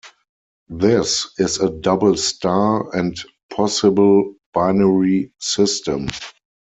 This is a double star and possible binary system.